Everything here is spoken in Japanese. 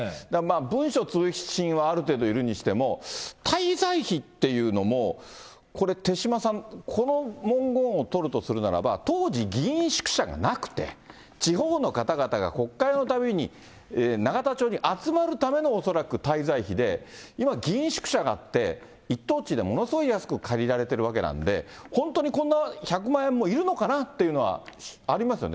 文書通信はある程度、いるにしても、滞在費っていうのも、これ、手嶋さん、この文言をとるとするならば、当時、議員宿舎がなくて、地方の方々が国会のたびに永田町に集まるための恐らく滞在費で、今、議員宿舎があって、一等地でものすごい安く借りられているわけなんで、本当にこんな１００万円もいるのかなっていうのはありますよね。